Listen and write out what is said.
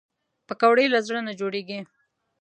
پکورې له زړه نه جوړېږي